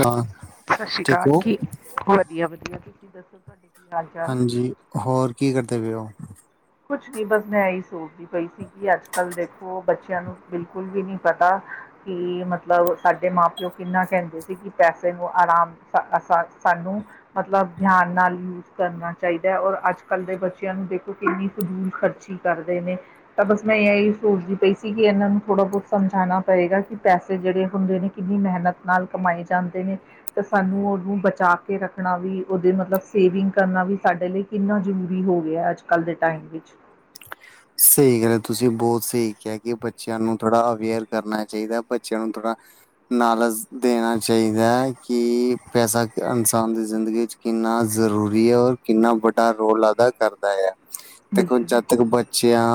ਹਾਂ ਸ਼ਸ਼੍ਰੀ ਠੀਕ ਕਾਲ ਹੋ ਕੀ ਵਦੀਆ, ਵਦੀਆ ਤੁਸੀ ਦੱਸੋ ਤੁਹਾਡੇ ਕੀ ਹਾਲ ਚਾਲ ਹਾਂਜੀ ਹੋਰ ਕੀ ਕਰਦੇ ਪੇਓ ਕੁਛ ਕੀ ਬਸ ਮੈਂ ਏਈ ਸੋਚਦੀ ਪਈ ਸੀ। ਕਿ ਅੱਜ-ਕੱਲ ਦੇਖੋ ਬੱਚਯਾ ਨੂੰ ਬਿਲਕੁਲ ਵੀ ਨੀ ਪਤਾ ਕਿ ਮਤਲਬ ਸਾਡੇ ਮਾਂ ਪਿਓ ਕਿੰਨਾ ਕੈਂਦੇ ਸੀ ਕਿ ਪੈਸੇ ਨੂੰ ਆਰਾਮ [inaudible] ਸਾਨੂੰ ਮਤਲਬ ਧਿਆਨ ਨਾਲ ਯੂਜ ਕਰਨਾ ਚਾਹੀਦੈ ਔਰ ਅੱਜ-ਕੱਲ ਦੇ ਬੱਚਯਾ ਨੂੰ ਦੇਖੋ ਏਨੀ ਫਜੂਲ ਖਰਚੀ ਕਰਦੇ ਨੇ। ਤਾਂ, ਬਸ ਮੈਂ ਏਈ ਸੋਚਦੀ ਪਈ ਸੀ ਕਿ ਏਨਾਂ ਨੂੰ ਥੋੜਾ ਬੋਤ ਸਮਝਾਣਾ ਪਏਗਾ ਕਿ ਪੈਸੇ ਜੇੜੇ ਹੁੰਦੇ ਨੇ ਕਿੰਨੀ ਮੈਹਨਤ ਨਾਲ ਕਮਾਏ ਜਾਂਦੇ ਨੇ ਤੇ ਸਾਨੂੰ ਓਨੂੰ ਬਚਾ ਕੇ ਰੱਖਣਾ ਵੀ ਓੱਦੇ ਮਤਲਬ ਸੇਵਿੰਗ ਕਰਨਾ ਵੀ ਸਾਡੇ ਲਈ ਕਿੰਨਾ ਜ਼ਰੂਰੀ ਹੋ ਗਿਆ ਅੱਜ-ਕੱਲ ਦੇ ਟਾਈਮ ਵਿੱਚ ਸਈ ਗੱਲ ਐ ਤੁਸੀਂ ਬੋਤ ਸਈ ਕੇਆ ਕਿ ਬੱਚਿਆਂ ਨੂੰ ਥੋੜਾ ਅਵੇਅਰ ਕਰਨਾ ਚਾਹੀਦੈ, ਬੱਚਿਆਂ ਨੂੰ ਥੋੜਾ ਨਾਲਜ਼ ਦੇਨਾ ਚਾਹੀਦੈ ਕਿ ਪੈਸਾ ਇਨਸਾਨ ਦੀ ਜ਼ਿੰਦਗੀ ਚ ਕਿੰਨਾ ਜ਼ਰੂਰੀ ਐ ਔਰ ਕਿੰਨਾ ਵੱਡਾ ਰੋਲ ਅਦਾ ਕਰਦਾ ਐ, ਦੇਖੋ ਬਿਲਕੁਲ, ਜੱਦ ਤੱਕ ਬ ਚੇਆਂ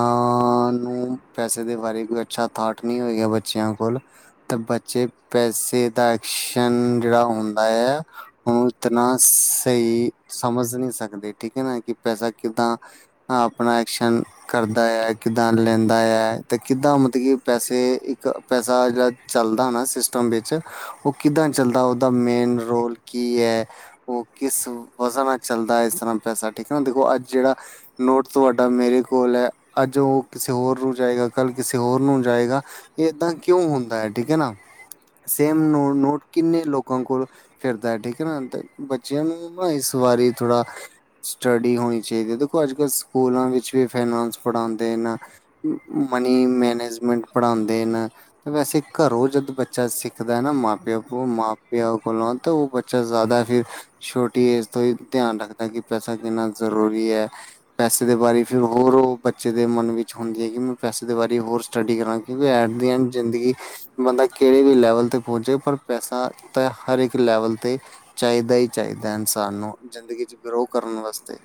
ਨੂੰ ਪੈਸੇ ਦੇ ਬਾਰੇ ਕੋਈ ਅੱਛਾ ਥਾਟ ਨੀ ਹੋਏਗਾ ਬੱਚਿਆ ਕੋਲ ਤਾ ਬੱਚੇ ਪੈਸੇ ਦਾ ਐਕਸ਼ਨ ਜੇੜਾ ਹੁੰਦੈ ਆ ਓ ਇਤਨਾ ਸਈ ਸਮਝ ਨੀ ਸਕਦੇ, ਠੀਕ ਐ ਨਾ ਕਿ ਪੈਸਾ ਕਿੱਦਾਂ ਹਾਂ, ਅਪਨਾ ਐਕਸ਼ਨ ਕਰਦਾ ਐ, ਕਿੱਦਾਂ ਲੈਂਦਾ ਐ ਤੇ ਕਿੱਦਾਂ ਮਤੇ ਕਿ ਪੈਸੇ ਇੱਕ ਪੈਸਾ ਜੇੜਾ ਚੱਲਦਾ ਨਾ ਸਿਸਟਮ ਵਿੱਚ ਓ ਕਿੱਦਾਂ ਚੱਲਦਾ, ਓੱਦਾ ਮੇਨ ਰੋਲ ਕੀ ਐ। ਓ ਕਿਸ ਵਜਾ ਨਾਲ ਚੱਲਦਾ ਏ ਐਸ ਤਰਾਂ ਪੈਸਾ, ਠੀਕ ਐ ਨਾ, ਦੇਖੋ ਅੱਜ ਜੇੜਾ ਨੋਟ ਤੁਆਡਾ ਮੇਰੇ ਕੋਲ ਐ, ਅੱਜ ਓ ਕਿਸੇ ਹੋਰ ਨੂੰ ਜਾਏਗਾ, ਕੱਲ ਕਿਸੇ ਹੋਰ ਨੂੰ ਜਾਏਗਾ। ਏਦਾਂ ਕਿਓਂ ਹੁੰਦਾ ਐ, ਠੀਕ ਐ ਨਾ, ਸੇਮ ਨੋ ਨੋਟ ਕਿੰਨੇ ਲੋਕਾਂ ਕੋਲ ਫਿਰਦਾ ਏ ਠੀਕ ਏ ਨਾ ਤੇ ਬੱਚਿਆਂ ਨੂੰ ਇਸ ਵਾਰੀ ਥੋੜਾ ਸਟਡੀ ਹੋਣੀ ਚਾਈਦੀ ਏ, ਦੇਖੋ ਅੱਜ-ਕੱਲ ਸਕੂਲਾਂ ਵਿੱਚ ਵੀ ਫਾਈਨਾਸ ਪੜਾਂਦੇ ਏ ਨਾ। ਮਨੀ ਮੈਨੇਜਮੈਂਟ ਪੜਾਦੇ ਨ। ਵੈਸੇ ਘਰੋਂ ਜਦ ਬੱਚਾ ਸਿੱਖਦੈ ਨਾ ਮਾਂ-ਪਿਓ ਕੋਲ ਮਾਂ-ਪਿਆਂ ਕੋਲੋਂ ਤੇ ਓਹ ਬੱ ਚਾ ਜੈਦਾ ਫਿਰ ਛੋਟੀ ਏਜ ਤੋਂ ਈ ਧਿਆਨ ਰੱਖਦੈ ਕਿ ਪੈਸਾ ਕਿੰਨਾ ਜ਼ਰੂਰੀ ਐ। ਪੈਸੇ ਦੇ ਬਾਰੇ ਫਿਰ ਹੋਰ ਓਹ ਬੱਚੇ ਦੇ ਮਨ ਵਿੱਚ ਹੁੰਦੀ ਏ ਕਿ ਮੈਂ ਪੈਸੇ ਦੇ ਬਾਰੀ ਹੋਰ ਸਟੱਡੀ ਕਰਾਂ ਕਿਉਂਕਿ ਐਟ ਦੀ ਐਂਡ ਜ਼ਿੰਦਗੀ ਬੰਦਾ ਕੇੜੇ ਵੀ ਲੈਵਲ ਤੇ ਪਹੁੰਚੇ ਪਰ ਪੈਸਾ ਤਾਂ ਹਰ ਇੱਕ ਲੈਵਲ ਤੇ ਚਾਈਦਾ ਈ ਚਾਈਦੈ ਇਨਸਾਨ ਨੂੰ ਜ਼ਿੰਦਗੀ ਚ ਗਰੋਹ ਕਰਨ ਵਾਸਤੇ।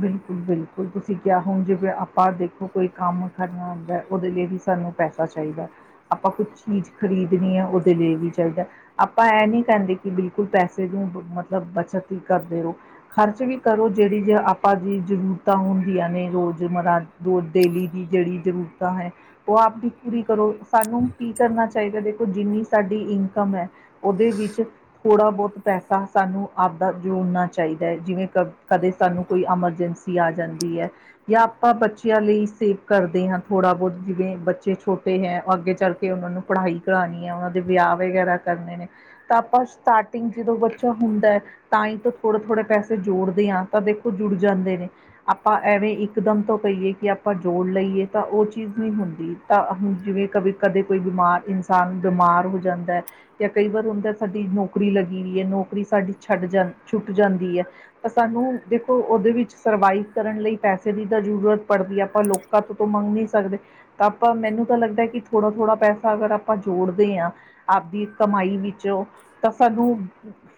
ਬਿਲਕੁਲ-ਬਿਲਕੁਲ, ਤੁਸੀਂ ਕਿਆ ਹੁਣ ਜਿਵੇ ਅਪਾਂ ਦੇਖੋ ਕੋਈ ਕੰਮ ਕਰਨਾ ਹੁੰਦੈ, ਓਦੇ ਲਈ ਵੀ ਸਾਨੂੰ ਪੈਸਾ ਚਾਈਦਾ ਆਪਾਂ ਕੁਛ ਚੀਜ਼ ਖ਼ਰੀਦਣੀ ਐ ਓਦੇ ਲਈ ਵੀ ਚਾਹੀਦੈ‌। ਆਪਾਂ ਐਹ ਨੀ ਕੈੰਦੇ ਕਿ ਬਿਲਕੁਲ ਪੈਸੇ ਦੀ ਬ ਮਤਲਬ ਬੱਚਤ ਹੀ ਕਰਦੇ ਰੋ। ਖਰਚ ਵੀ ਕਰੋ ਜੇੜੀ ਜੇ ਅਪ ਪਾ ਜੀ ਜ਼ਰੂਰਤਾਂ ਹੁੰਦੀਆਂ ਨੇ ਰੋਜ਼ਮਰਾ ਰੋਜ ਡੇਲੀ ਦੀ ਜੇੜੀ ਜ਼ਰੂਰਤਾਂ ਹੈ। ਓ ਆਪ ਦੀ ਪੂਰੀ ਕਰੋ ਸਾਨੂੰ ਕੀ ਕਰਨਾ ਚਾਹੀਦੈ ਦੇਖੋ ਜਿੰਨੀ ਸਾਡੀ ਇਨਕਮ ਐ ਓਦੇ ਵਿੱਚ ਥੋੜਾ ਬੌਤ ਪੈਸਾ ਸਾਨੂੰ ਆਪਦਾ ਜੋੜਨਾ ਚਾਹੀਦੈ ਜਿਵੇਂ ਕਦ ਕਦੇ ਸਾਨੂੰ ਕੋਈ ਐਮਰਜੈਂਸੀ ਆ ਜਾਂਦੀ ਐ। ਯਾ ਆਪਾਂ ਬੱਚਿਆਂ ਲਈ ਸੇਵ ਕਰਦੇ ਹਾਂ ਥੋੜ੍ਹਾ ਬੌਤ ਜਿਵੇਂ ਬੱਚੇ ਛੋਟੇ ਹੈ, ਅੱਗੇ ਚੱਲ ਕੇ ਓਨਾਂ ਨੂੰ ਪੜ੍ਹਾਈ ਕਰਾਣੀ ਐ, ਓਨਾਂ ਦੇ ਵਿਆਹ ਵਗੈਰਾ ਕਰਨੇ ਨੇ। ਤਾਂ ਆਪਾਂ ਸਟਾਟਿੰਗ ਜਦੋਂ ਬੱਚਾ ਹੁੰਦੈ ਤਾਂ ਈ ਤ ਥੋੜੇ-ਥੋੜੇ ਪੈਸੇ ਜੋੜਦੇ ਆਂ, ਤਾਂ ਦੇਖੋ ਜੁੜ ਜਾਂਦੇ ਨੇ। ਆਪਾਂ ਐਵੇਂ ਇਕਦਮ ਤੋਂ ਕਈਏ ਕਿ ਆਪਾਂ ਜੋੜ ਲਈਏ ਤਾਂ ਓ ਚੀਜ਼ ਨੀ ਹੁੰਦੀ। ਤਾਂ ਹੁਣ ਜਿਵੇਂ ਕਦੇ-ਕਦੇ ਕੋਈ ਬਿਮਾਰ ਇਨਸਾਨ ਬਿਮਾਰ ਹੋ ਜਾਂਦੈ ਜਾਂ ਕਈ ਵਾਰ ਹੁੰਦੈ ਸਾਡੀ ਨੌਕਰੀ ਲੱਗੀ ਵੀਈ ਐ, ਨੌਕਰੀ ਸਾਡੀ ਛੱਡ ਜਾਂ ਛੁੱਟ ਜਾਂਦੀ ਐ। ਤਾਂ ਸਾਨੂੰ ਦੇਖੋ ਓਦੇ ਵਿੱਚ ਸਰਵਾਈਵ ਕਰਨ ਲਈ ਪੈਸੇ ਦੀ ਤਾਂ ਜ਼ਰੂਰਤ ਪੜਦੀ ਐ, ਆਪਾਂ ਲੋਕਾਂ ਤੋਂ ਤਾਂ ਮੰਗ ਨੀ ਸਕਦੇ। ਤਾਂ ਆਪਾਂ ਮੈਨੂੰ ਤਾਂ ਲੱਗਦੈ ਕਿ ਥੋੜਾ-ਥੋੜ੍ਹਾ ਪੈਸਾ ਅਗਰ ਅਪਾਂ ਜੋੜਦੇ ਆਂ। ਆਪਦੀ ਕਮਾਈ ਵਿੱਚੋ ਤਾਂ ਸਾਨੂੰ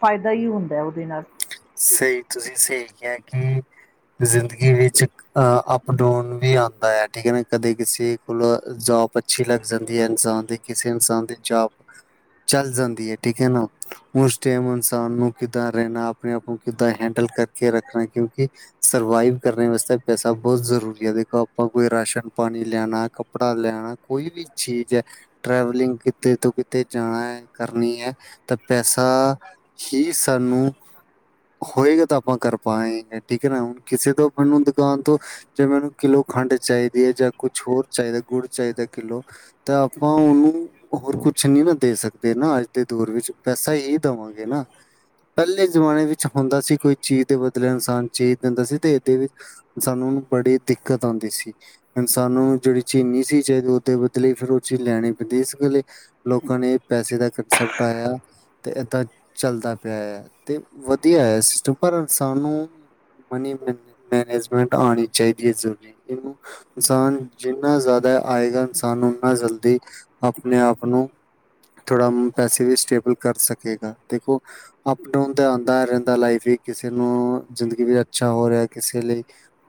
ਫਾਇਦਾ ਈ ਹੁੰਦੈ ਉਦੇ ਨਾਲ। ਸਈ ਤੁਸੀਂ ਸਈ ਕਿਆ ਕਿ ਜ਼ਿੰਦਗੀ ਵਿੱਚ ਅ ਅਪ ਡਾਊਨ ਵੀ ਆਂਦਾ ਐ, ਠੀਕ ਐ ਨਾ ਕਦੇ ਕਿਸੇ ਕੋਲ ਜੋਬ ਅੱਛੀ ਲੱਗ ਜਾਂਦੀ ਹੈ, ਇਨਸਾਨ ਦੀ ਕਿਸੇ ਇਨਸਾਨ ਦੀ ਜਾਬ ਚੱਜ ਜਾਂਦੀ ਏ, ਠੀਕ ਹੈ ਨਾ। ਉਸ ਟੈਮ ਇਨਸਾਨ ਨੂੰ ਕਿੱਦਾਂ ਰੈਣਾ? ਅਪਣੇ ਆਪ ਨੂੰ, ਕਿੱਦਾਂ ਹੈਂਡਲ ਕਰਕੇ ਰੱਖਣੈ ਕਿਉਂਕਿ ਸਰਵਾਈਵ ਕਰਨੇ ਵਾਸਤੇ ਪੈਸਾ ਬੌਤ ਜ਼ਰੂਰੀ ਹੈ, ਦੇਖੋ ਆਪਾਂ ਕੋਈ ਰਾਸ਼ਨ ਪਾਣੀ ਲਿਆਣਾ, ਕੱਪੜਾ ਲਿਆਣਾ। ਕੋਈ ਵੀ, ਚੀਜ਼ ਐ। ਟਰੈਵਲਿੰਗ, ਕਿਤੇ ਤੋਂ ਕਿਤੇ ਜਾਣਾ ਐ, ਕਰਨੀ ਹੈ ਤਾਂ ਪੈਸਾ ਹੀ, ਸਾਨੂੰ ਹੋਏਗਾ, ਤਾਂ ਆਪਾਂ ਕਰ ਪਾਏੰਗੇ, ਠੀਕ ਹੈ ਨਾ। ਹੁਣ, ਕਿਸੇ ਤੋਂ ਆਪਾਂ ਨੂੰ ਦੁਕਾਨ ਤੋਂ ਜੇ ਮੈਨੂੰ ਕਿੱਲੋ ਖੰਡ ਚਾਹੀਦੀ ਹੈ, ਜਾਂ ਕੁਛ ਹੋਰ ਚਾਹੀਦੈ ਗੁੜ ਚਾਹੀਦੈ, ਕਿੱਲੋ ਤਾਂ, ਆਪਾਂ ਉਹਨੂੰ ਹੋਰ ਕੁਛ ਨੀ ਨਾ ਦੇ ਸਕਦੇ ਨਾ, ਅੱਜ ਦੇ ਦੋਰ ਵਿੱਚ ਪੈਸਾ ਇ ਦੇਵਾਂਗੇ ਨਾ, ਪਹਿਲੇ ਜਮਾਨੇ ਵਿੱਚ ਹੁੰਦਾ ਸੀ, ਕੋਈ ਚੀਜ਼ ਦੇ ਬਦਲੇ ਇਨਸਾਨ ਚੀਜ਼ ਦਿੰਦਾ ਸੀ, ਤੇ ਇਹਦੇ ਵਿੱ ਸਾਨੂੰ, ਬੜੀ ਦਿੱਕਤ ਆਉਂਦੀ ਸੀ। ਇਨਸਾਨ ਨੂੰ, ਜਿਹੜੀ ਚੀਜ਼ ਨਹੀਂ ਸੀ ਚਾਹੀਦੀ, ਉਹਦੇ ਬਦਲੇ ਫਿਰ ਉਹ ਚੀਜ਼ ਲੈਣੀ ਪੈਂਦੀ, ਇਸ ਗਲੇ ਲੋਕਾਂ ਨੇ, ਪੈਸੇ ਦਾ ਕੰਸੈਪਟ ਆਇਆ, ਤੇ ਏਦਾਂ ਚੱਲਦਾ ਪਿਆ ਐ। ਤੇ, ਵਧੀਆ ਹੈ ਸਿਸਟਮ। ਪਰ ਸਾਨੂੰ ਮਨੀ ਮੈਨੇ, ਮੈਨੇਜਮੈਂਟ ਆਣੀ ਚਾਹੀਦੀ ਏ ਜ਼ਰੂਰੀ, ਇਹਨੂੰ ਇਨਸਾਨ ਜਿੰਨਾ ਜਿਆਦਾ ਆਏਗਾ, ਇਨਸਾਨ ਓਨਾ ਜਲਦੀ ਆਪਣੇ ਆਪ ਨੂੰ ਥੋੜਾ ਪੈਸੇ ਵੀ, ਸਟੇਬਲ ਕਰ ਸਕੇਗਾ। ਦੇਖੋ, ਆਪ ਅਪ-ਡਾਊਨ ਤੇ ਆਂਦਾ ਰਹਿੰਁਦਾ ਲਾਈਫ ਵਿੱਚ ਕਿਸੇ ਨੂੰ ਜ਼ਿੰਦਗੀ ਵੀ ਅੱਛਾ ਹੋ ਰਿਆ, ਕਿਸੇ ਲਈ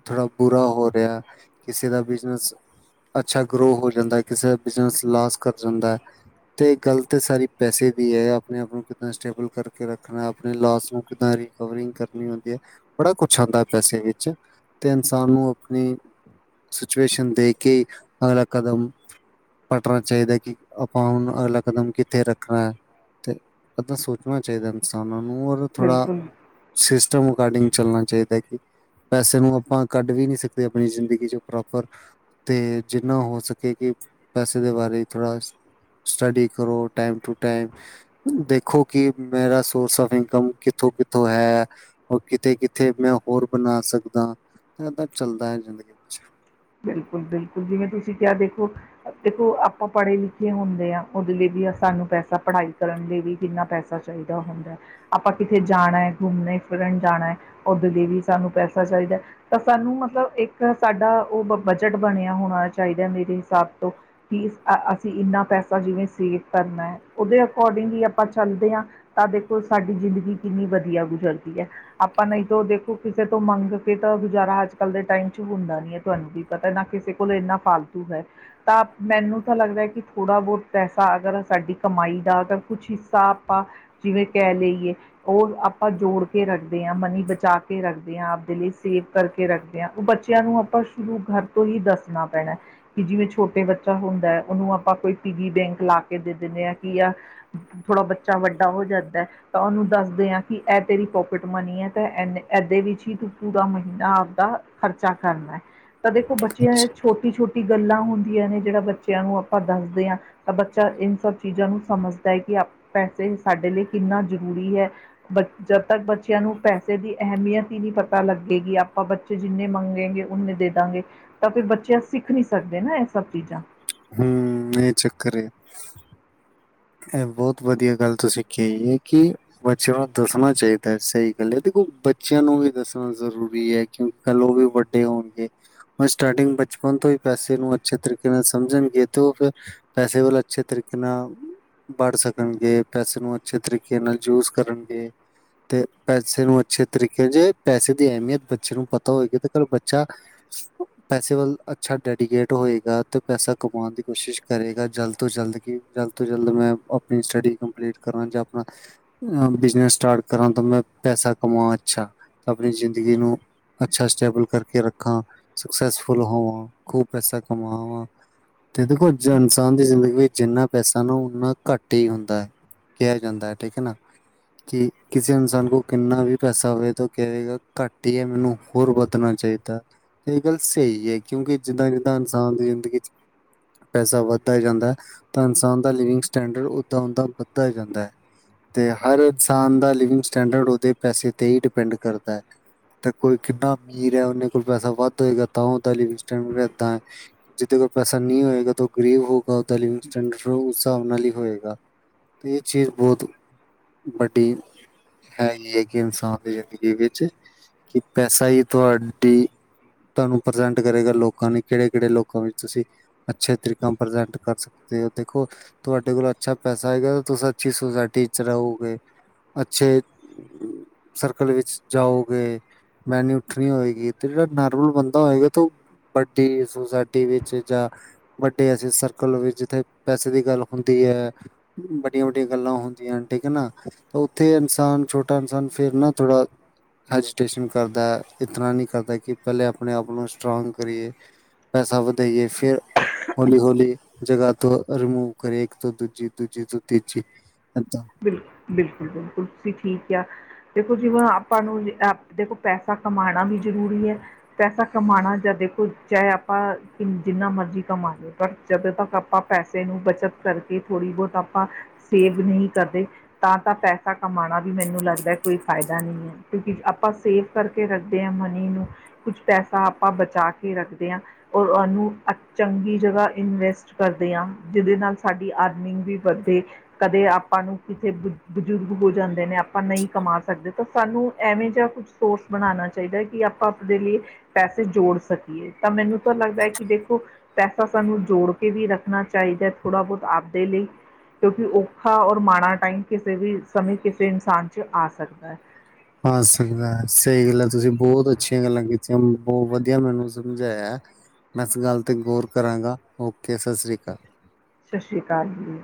ਥੋੜ੍ਹਾ ਬੁਰਾ ਹੋ ਰਿਹਾ, ਕਿਸੇ ਦਾ ਬਿਜਨਸ ਅੱਛਾ ਗਰੋ ਹੋ ਜਾਂਦਾ, ਕਿਸੇ ਦਾ ਬਿਜਨਸ ਲਾਸ ਕਰ ਜਾਂਦਾ ਐ। ਤੇ ਗੱਲ ਲ ਤੇ ਸਾਰੀ ਪੈਸੇ ਦੀ ਐ, ਆਪਣੇ ਆਪ ਨੂੰ ਕਿੱਦਾਂ ਸਟੇਬਲ ਕਰਕੇ ਰੱਖ ਣਾ, ਅਪਣੇ ਲਾਸ ਨੂੰ ਕਿੱਦਾਂ ਰਿਕਵਰਿੰਗ ਕਰਨੀ ਹੁੰਦੀ ਐ। ਬੜਾ ਕੁਛ ਆਂਦਾ ਪੈਸੇ ਵਿੱਚ। ਤੇ ਇਨਸਾਨ ਨੂੰ, ਅਪਣੀ ਸਿਚੁਏਸ਼ਨ ਦੇਖ ਕੇ ਅਗਲਾ ਕਦਮ ਪਟਣਾ ਚਾਹੀਦਾ ਐ, ਕਿ ਆਪਾਂ ਹੁਣ ਅਗਲਾ ਕਦਮ ਕਿੱਥੇ ਰੱਖਣਾ ਐ। ਤੇ ਏਦਾਂ ਸੋਚਣਾ ਚਾਹੀਦਾ ਇਨਸਾਨਾਂ ਨੂੰ, ਔਰ ਥੋੜ੍ਹਾ। ਬਿਲਕੁਲ ਸਿਸਟਮ ਅਕਾਡਿੰਗ ਚੱਲਣਾ ਚਾਹੀਦਾ, ਐ ਕਿ। ਪੈਸੇ ਨੂੰ ਆਪਾਂ ਕੱਢ ਵੀ ਨੀ ਸਕਦੇ, ਅਪਣੀ ਜ਼ਿੰਦਗੀ ਚੋ ਪ੍ਰੋਪਰ। ਤੇ ਜਿੰਨਾ ਹੋ ਸਕੇ, ਕਿ ਪੈਸੇ ਦੇ ਬਾਰੇ ਥੋੜ੍ਹਾ। ਸਟੱਡੀ ਕਰੋ। ਟੈਮ ਟੂ ਟੈਮ ਦੇਖੋ ਕਿ ਮੇਰਾ ਸੋਰਸ ਆਫ ਇਨਕਮ ਕਿੱਥੋਂ-ਕਿੱਥੋਂ ਹੈ? ਔ ਕਿੱਥੇ -ਕਿੱਥੇ ਮੈਂ ਹੋਰ ਬਣਾ ਸਕਦਾ? ਇਨਾਂ ਤੱਕ ਚੱਲਦਾ ਐ, ਜ਼ਿੰਦਗੀ ਵਿੱਚ। ਬਿਲਕੁਲ -ਬਿਲਕੁਲ, ਜਿਵੇਂ ਤੁਸੀਂ ਕਿਹਾ, ਦੇਖੋ। ਦੇਖੋ, ਆਪਾਂ -ਪੜ੍ਹੇ ਲਿਖੇ ਹੁੰਦੇ ਆਂ। ਉਹਦੇ ਲਈ ਵੀ ਸਾਨੂੰ ਪੈਸਾ, ਪੜ੍ਹਾਈ ਕਰਨ ਲੀ ਵੀ ਜਿੰਨਾ ਪੈਸਾ ਚਾਹੀਦਾ ਹੁੰਦੈ। ਆਪਾਂ ਕਿੱਥੇ ਜਾਣਾ ਐੁ, ਕਲ਼ਮਣੇ ਫਿਰਨ ਜਾਣਾ ਐ, ਔਦੇ ਲੀ ਵੀ ਸਾਨੂੰ ਪੈਸਾ ਚਾਹੀਦਾ। ਤਾਂ ਸਾਨੂੰ, ਮਤਲਬ, ਇੱਕ ਸਾਡਾ ਉਹ ਬਜਟ ਬਣਿਆ ਹੋਣਾ ਚਾਹੀਦਾ, ਮੇਰੇ ਹਿਸਾਬ ਤੋਂ। ਕਿ ਅਸੀਂ ਇੰਨਾ ਪੈਸਾ, ਜਿਵੇਂ, ਸੇਵ ਕਰਨਾ ਐ। ਉੱਦੇ ਅਕੋਰਡਿੰਗ ਹੀ ਆਪਾਂ ਚੱਲਦੇ ਆਂ। ਤਾਂ ਦੇਖੋ, ਸਾਡੀ ਜ਼ਿੰਦਗੀ ਕਿੰਨੀ ਵਧੀਆ, ਗੁਜ਼ਰਦੀ ਐ। ਆਪਾਂ ਨਹੀਂ ਤੋ, ਦੇਖੋ, ਕਿਸੇ ਤੋਂ ਮੰਗ ਕੇ ਤਾਂ ਗੁਜ਼ਾਰਾ ਅੱਜ-ਕੱਲ ਦੇ ਟਾਈਮ ਚ ਹੁੰਦਾ ਨੀ ਐ। ਤੁਹਾਨੂੰ ਵੀ ਪਤਾ ਨਾ, ਕਿਸੇ ਕੋਲ ਇੰਨਾ ਫਾਲਤੂ ਹੈ। ਤਾਂ ਮੈਨੂੰ ਤਾਂ ਲੱਗਦਾ ਕਿ, ਥੋੜ੍ਹਾ ਬਹੁਤ ਪੈਸਾ, ਅਗਰ ਸਾਡੀ ਕਮਾਈ ਦਾ ਅਗਰ ਕੁਛ ਹਿ ਆਪਾਂ, ਜਿਵੇਂ ਕਹਿ ਲਈਏ, ਔ ਆਪਾਂ ਜੋੜ ਕੇ ਰੱਖਦੇ ਆਂ, ਮਨੀ ਬਚਾ ਕੇ। ਰੱਖਦੇ ਆਂ, ਆਪਦੇ ਲੀ ਸੇਵ ਕਰਕੇ ਰੱਖਦੇ ਆਂ, ਔਰ ਬੱਚਿਆਂ ਨੂੰ ਆਪਾਂ ਸ਼ੁਰੂ ਘਰ ਤੋਂ ਹੀ ਦੱਸਣਾ ਪੈਣਾ। ਕਿ, ਜਿਵੇਂ ਛੋਟੇ ਬੱਚਾ ਹੁੰਦਾ, ਉਹਨੂੰ ਆਪਾਂ ਕੋਈ ਪੀਗੀ ਬੈਂਕ ਲਾ ਕੇ ਦੇ ਦਿੰਦੇ ਆਂ ਕਿ ਆ ਥੋੜਾ, ਬੱਚਾ ਵੱਡਾ ਹੋ ਜਾਂਦਾ ਐ। ਤਾਂ ਉਹਨੂੰ ਦੱਸਦੇ ਆਂ ਕਿ, ਐ ਤੇਰੀ ਪੋਕਿਟ ਮਨੀ ਐ, ਤੇ ਏਨੇ, ਏਦੇ ਵਿੱਚ ਹੀ ਤੂੰ ਪੂਰਾ ਮਹੀਨਾ ਆਪਦਾ ਖਰਚਾ ਕਰਨਾ ਐ, ਤਾਂ ਦੇਖੋ ਬੱਚੇ ਛੋਟੀ-ਛੋਟੀ, ਗੱਲਾਂ ਹੁੰਦੀਆਂ ਨੇ, ਜਿਹੜਾ ਬੱਚਿਆਂ ਨੂੰ ਆਪਾਂ ਦੱਸਦੇ ਹਾਂ। ਤਾਂ ਬੱਚਾ ਇਨ ਸਭ ਚੀਜ਼ਾਂ ਨੂੰ ਸਮਝਦਾ ਐ, ਕਿ ਪੈਸੇ ਸਾਡੇ ਲਈ ਕਿੰਨਾ ਜ਼ਰੂਰੀ ਐ। ਬ, ਜਦ ਤੱਕ ਬੱਚਿਆਂ ਨੂੰ, ਪੈਸੇ ਦੀ ਅਹਿਮੀਅਤ ਹੀ ਨੀ ਪਤਾ ਲੱਗੇਗੀ, ਆਪਾਂ ਬੱਚੇ ਜਿੰਨੇ ਮੰਗੇੰਗੇ, ਉਨੇ ਦੇ ਦਾਂਗੇ, ਤਾਂ ਫਿਰ ਬੱਚੇ ਸਿੱਖ ਨੀ ਸਕਦੇ ਨਾ ਇਹ ਸਭ ਚੀਜ਼ਾਂ। ਹੁੰ, ਏ ਚੱਕਰ ਏ। ਏ ਬੋਤ ਵਧੀਆ ਗੱਲ ਤੁਸੀਂ ਕਹੀ ਏ, ਕਿ। ਬੱਚਿਆਂ ਨੂੰ ਦੱਸਣਾ ਚਾਹੀਦਾ, ਸਹੀ ਗੱਲ ਐ। ਦੇਖੋ, ਬੱਚਿਆਂ ਨੂੰ ਵੀ ਦੱਸਣਾ ਜ਼ਰੂਰੀ ਐ। ਕਿਉਂ, ਕੱਲ ਉਹ ਵੀ ਵੱਡੇ ਹੋਣਗੇ। ਸਟਾਰਟਿੰਗ ਬਚਪਨ ਤੋਂ ਈ ਪੈਸੇ ਨੂੰ, ਅੱਛੇ ਤਰੀਕੇ ਨਾਲ ਸਮਝਣਗੇ, ਤੌ ਫਿਰ ਪੈਸੇ ਵਲ, ਅੱਛੇ ਤਰੀਕੇ ਨਾਲ। ਬੜ ਸਕਣਗੇ, ਪੈਸੇ ਨੂੰ ਅੱਛੇ ਤਰੀਕੇ ਨਾਲ ਯੂਜ ਕਰਨਗੇ। ਤੇ ਪੈਸੇ ਨੂੰ ਅੱਛੇ ਤਰੀਕੇ, ਜੇ ਪੈਸੇ ਦੀ ਅਹਿਮੀਅਤ ਬੱਚੇ ਨੂੰ ਪਤਾ ਹੋਏਗੀ, ਤੇ ਕੱਲ ਬੱਚਾ [inaudible] ਪੈਸੇ ਵੱਲ ਅੱਛਾ ਡੈਡੀਕੇਟ ਹੋਏਗਾ, ਤੇ ਪੈਸਾ ਕਮਾਉਣ ਦੀ ਕੋਸ਼ਿਸ਼ ਕਰੇਗਾ, ਜਲਦ ਤੋਂ ਜਲਦ ਕਿ ਗ਼ਲਤ ਜਲਦ ਮੈਂ, ਅਪਣੀ ਸਟੱਡੀ ਕੰਪਲੀਟ ਕਰਾਂ ਜਾਂ ਆਪਣਾ ਬਿਜਨਸ ਸਟਾਰਟ ਕਰਾਂ, ਤਾਂ ਮੈਂ ਪੈਸਾ ਕਮਾ ਅੱਛਾ ਤਾਂ, ਆਪਣੀ ਜ਼ਿੰਦਗੀ ਨੂੰ ਅੱਛਾ ਸਟੈਬਲ ਕਰਕੇ ਰੱਖਾ, ਸਕਸੈਸਫੁਲ ਹੋਵਾਂ, ਖੂਬ ਪੈਸਾ ਕਮਾਵਾਂ। ਤੇ ਦੇਖੋ, ਇਨਸਾਨ ਦੀ ਜ਼ਿੰਦਗੀ ਵਿੱਚ ਜਿੰਨਾ ਪੈਸਾ ਉਨਾਹ ਘੱਟ ਈ ਹੁੰਦਾ ਐ, ਕਿਹਾ ਜਾਂਦਾ ਐ, ਠੀਕ ਐ ਨਾ। ਕਿ ਕਿਸੇ ਇਨਸਾਨ ਕੋਲ ਕਿੰਨਾ ਵੀ ਪੈਸਾ ਹੋਵੇ, ਤਾਂ ਉਹ ਕਵੇਗਾ ਘੱਟ ਹੀ ਹੈ ਮੈਨੂੰ ਹੋਰ ਵਧਣਾ ਚਾਹੀਦਾ ਇਹ ਗੱਲ ਸਹੀ ਹੈ, ਕਿਉਂਕਿ ਜਿੱਦਾਂ- ਜਿੱਦਾਂ ਇਨਸਾਨ ਦੀ ਜ਼ਿੰਦਗੀ ਚ ਪੈਸਾ ਵੱਧਦਾ ਜਾਂਦਾ ਹੈ ਤਾਂ, ਇਨਸਾਨ ਦਾ ਲਿਵਿੰਗ ਸਟੈਂਡਰਡ ਉਦਾਂ -ਉਦਾਂ ਵੱਧਦਾ ਜਾਂਦਾ ਹੈ। ਤੇ ਹਰ ਇਨਸਾਨ ਦਾ ਲਿਵਿੰਗ ਸਟੈਂਡਰਡ, ਉਹਦੇ ਪੈਸੇ ਤੇ ਹੀ ਡਿਪੈਂਡ ਕਰਦਾ ਹੈ। ਤੇ ਕੋਈ ਕਿੰਨਾ ਅਮੀਰ ਹੈ, ਉਹਦੇ ਕੋਲ ਪੈਸਾ ਵੱਧ ਹੋਏਗਾ, ਤਾਂ ਉਹ ਲੀਵਿੰਗ ਸਟੈੰਡਰਡ ਏਦਾਂ ਹੈ। ਜਿੱਦੇ ਕੋਲ ਪੈਸਾ ਨਹੀਂ ਹੋਏਗਾ, ਤਾਂ ਉਹ ਗ਼ਰੀਬ ਹੋਊਗਾ ਉਹ ਤਾਂ ਉਹਦਾ ਲੀਵਿੰਗ ਸਟੈੰਡਰਡ ਉਸ ਹਿਸਾਬ ਨਾਲ ਹੀ ਹੋਏਗਾ, ਤੇ ਇਹ ਚੀਜ਼ ਬਹੁਤ ਵੱਡੀ ਹੈ ਹੀ ਹੈ ਕਿ, ਇਨਸਾਨ ਦੀ ਜ਼ਿੰਦਗੀ ਵਿੱਚ ਕਿ ਪੈਸਾ ਹੀ ਤੁਹਾਡੀ ਤੁਹਾਨੂੰ, ਪ੍ਰਜੈਂਟ ਕਰੇਗਾ, ਲੋਕਾਂ ਨੇ ਕਿਹੜੇ -ਕਿਹੜੇ ਲੋਕਾਂ ਵਿੱਚ ਤੁਸੀਂ ਅੱਛੇ ਤਰੀਕਾ ਪ੍ਰਜੈਂਟ ਕਰ ਸਕਦੇ ਹੋ। ਦੇਖੋ, ਤੁਹਾਡੇ ਕੋਲ ਅੱਛਾ ਪੈਸਾ ਆਏਗਾ, ਤੁਸੀਂ ਅੱਛੀ ਸੁਸਾਇਟੀ ਚ ਰਹੋਗੇ। ਅੱਛੇ, ਸਰਕਲ ਵਿੱਚ ਜਾਉਗੇ। ਬਹਿਨੀ -ਉੱਠਣੀ ਹੋਏਗੀ, ਤੇ ਜਿਹੜਾ ਨਾਰਮਲ ਬੰਦਾ ਹੋਏਗਾ, ਤੌ ਵੱਡੀ ਸੁਸਾਇਟੀ ਵਿੱਚ ਜਾਂ, ਵੱਡੇ ਅਸੀਂ ਸਰਕਲ ਵਿੱਚ ਜਿੱਥੇ ਪੈਸੇ ਦੀ ਗੱਲ ਹੁੰਦੀ ਹੈ। ਵੱਡੀਆਂ- ਵੱਡੀਆਂ ਗੱਲਾਂ ਹੁੰਦੀਆਂ ਹਨ, ਠੀਕ ਹੈ ਨਾ, ਉੱਥੇ ਇਨਸਾਨ, ਛੋਟਾ ਇਨਸਾਨ ਫਿਰ ਨਾ ਥੋੜਾ ਹੈਜੀਟੇਸ਼ਨ ਕਰਦਾ, ਇਤਨਾ ਨਹੀਂ ਕਰਦਾ ਕਿ ਪਹਿਲੇ ਆਪਣੇ ਆਪ ਨੂੰ ਸਟਰਾਂਗ ਕਰੀਏ। ਪੈਸਾ ਵਧਾਈਏ, ਫੇਰ ਹੌਲੀ ਹੌਲੀ ਜਗ੍ਹਾ ਤੋਂ ਰਿਮੂਵ ਕਰੇ, ਇੱਕ ਤੋਂ ਦੂਜੀ, ਦੂਜੀ ਤੋ ਤੀਜੀ ਬਿਲਕੁਲ- ਬਿਲਕੁਲ, ਬਿਲਕੁਲ ਤੁਸੀਂ ਠੀਕ ਕਿਹਾ। ਦੇਖੋ ਜਿਵੇਂ, ਆਪਾਂ ਨੂੰ ਦੇਖੋ ਪੈਸਾ ਕਮਾਉਣਾ ਵੀ ਜ਼ਰੂਰੀ ਹੈ। ਪੈਸਾ ਕਮਾਉਣਾ, ਜਾਂ ਦੇਖੋ ਚਾਹੇ ਆਪਾਂ ਜਿੰਨਾ ਮਰਜੀ ਕਮਾ ਲਉ। ਪਰ ਜਦੋਂ ਤੱਕ ਆਪਾਂ ਪੈਸੇ ਨੂੰ ਬੱਚਤ ਕਰਕੇ ਥੋੜ੍ਹੀ ਬਹੁਤ ਆਪਾਂ ਸੇਵ ਨਹੀਂ ਕਰਦੇ, ਤਾਂ, ਤਾਂ ਪੈਸਾ ਕਮਾਉਣਾ ਵੀ ਮੈਨੂੰ ਲੱਗਦਾ ਕੋਈ ਫਾਇਦਾ ਨਹੀਂ ਹੈ, ਕਿਉਂਕਿ ਆਪਾਂ ਸੇਫ ਕਰਕੇ ਰੱਖਦੇ ਹਾਂ ਮਨੀ ਨੂੰ, ਕੁੱਝ ਪੈਸਾ ਆਪਾਂ ਬਚਾ ਕੇ ਰੱਖਦੇ ਹਾਂ। ਔਰ ਉਹਨੂੰ ਅ ਚੰਗੀ ਜਗ੍ਹਾ ਇਨਵੈਸਟ ਕਰਦੇ ਹਾਂ, ਜਿਹਦੇ ਨਾਲ ਸਾਡੀ ਅਰਨਿੰਗ ਵੀ ਵੱਧੇ। ਕਦੇ, ਆਪ ਆਪਾਂ, ਨੂੰ ਕਿੱਥੇ ਬਜ਼ੁਰਗ ਹੋ ਜਾਂਦੇ ਨੇ, ਆਪਾਂ ਨਹੀਂ ਕਮਾ ਸਕਦੇ ਤਾਂ ਸਾਨੂੰ ਐਵੇਂ ਜਿਹਾ ਕੁਛ ਸੋਰਸ ਬਣਾਉਣਾ ਚਾਹੀਦਾ ਕਿ, ਆਪਾਂ ਆਪਦੇ ਲਈ ਪੈਸੇ ਜੋੜ ਸਕੀਏ, ਤਾਂ ਮੈਨੂੰ ਤਾਂ ਲੱਗਦਾ ਹੈ ਕਿ ਦੇਖੋ ਪੈਸਾ ਸਾਨੂੰ ਜੋੜ ਕੇ ਵੀ ਰੱਖਣਾ ਚਾਹੀਦਾ, ਥੋੜ੍ਹਾ ਬਹੁਤ ਆਪਦੇ ਲਈ, ਕਿਉਂਕਿ ਔਖਾ ਔਰ ਮਾੜ ਟਾਈਮ ਕਿਸੇ ਵੀ ਸਮੇਂ ਕਿਸੇ ਇਨਸਾਨ ਚ ਆ ਸਕਦਾ ਹੈ। ਆ ਸਕਦਾ ਸਹੀ ਗੱਲ ਹੈ ਤੁਸੀਂ ਬਹੁਤ ਅੱਛੀਆਂ ਗੱਲਾਂ ਕੀਤੀਆਂ ਬਹੁਤ ਵਧੀਆ ਮੈਨੂੰ ਸਮਝਾਇਆ ਮੈਂ ਇਸ ਗੱਲ ਤੇ ਗੌਰ ਕਰਾਂਗਾ ਓਕੇ ਸਤਿ ਸ਼੍ਰੀ ਅਕਾਲ ਸਤਿ ਸ਼੍ਰੀ ਅਕਾਲ ਜੀ